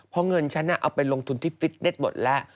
เพราะเงินฉันเอาไปลงทุนที่ฟิตเน็ตหมดแล้ว